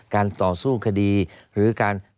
ต่อสู้คดีหรือการ